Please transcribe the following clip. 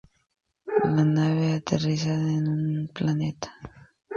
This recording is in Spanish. La nave, aterrizaba en un planeta.